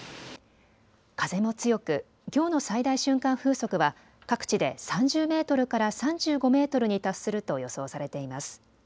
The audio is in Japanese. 風も強くきょうの最大瞬間風速は各地で３０メートルから３５メートルに達すると予想されています。